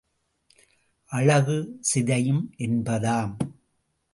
அழகு சிதையும் என்பதாம்.